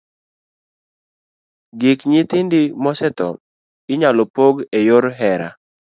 Gik nyithindgi mosetho inyalo pog e yor hera.